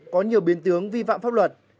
có nhiều biến tướng vi phạm pháp luật